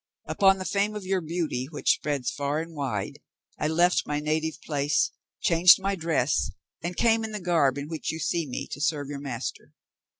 Upon the fame of your beauty, which spreads far and wide, I left my native place, changed my dress, and came in the garb in which you see me, to serve your master.